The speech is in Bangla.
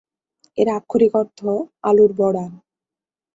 এর আক্ষরিক অর্থ "আলুর বড়া"।